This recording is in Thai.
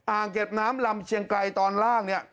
อ่างเก็บน้ำลำเชียงไกลตอนล่างเนี่ย